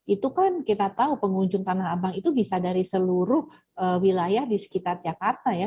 itu kan kita tahu pengunjung tanah abang itu bisa dari seluruh wilayah di sekitar jakarta ya